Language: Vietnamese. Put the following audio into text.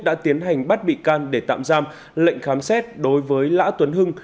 đã tiến hành bắt bị can để tạm giam lệnh khám xét đối với lã tuấn hưng